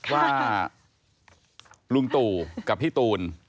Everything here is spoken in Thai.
ว่าลุงตู่กับพี่ตูน